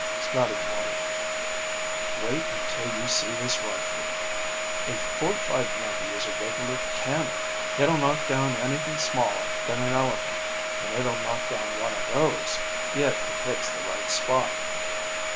Scotty nodded. "Wait until you see this rifle. A .45 90 is a regular cannon. It'll knock down anything smaller than an elephant, and it'll knock down one of those, if it hits the right spot."